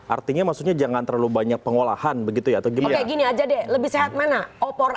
artinya maksudnya jangan terlalu banyak pengolahan begitu ya atau gimana gini aja deh lebih sehat mana opor